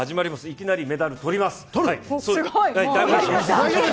いきなりメダル取ります！